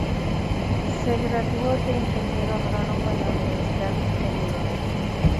Se graduó de ingeniero agrónomo en la Universidad de Morón.